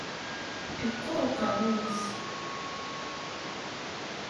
Iqquṛ uqeṛṛuy-is.